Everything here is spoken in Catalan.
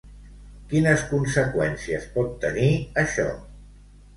Quines conseqüències pot tenir això?